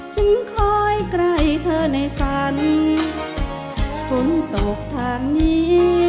คอยไกลเธอในฝันฝนตกทางนี้